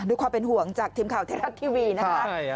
ความเป็นห่วงจากทีมข่าวไทยรัฐทีวีนะคะ